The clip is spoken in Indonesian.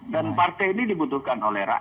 dan partai ini dibutuhkan oleh rakyat